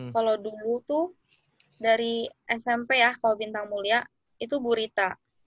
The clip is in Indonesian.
kalau dulu tuh dari smp ya kalau bintang mulia itu bu rita